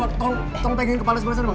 tolong tengkingin kepala sebelah sana bang